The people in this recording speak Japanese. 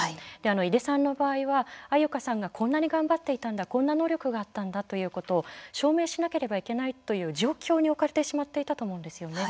井出さんの場合は、安優香さんがこんなに頑張っていたんだこんな能力があったんだということを証明しなければいけないという状況に置かれてしまっていたと思うんですよね。